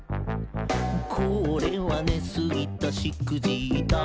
「これは寝すぎたしくじった」